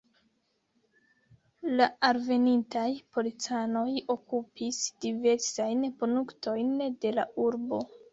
La alvenintaj policanoj okupis diversajn punktojn de la urbo.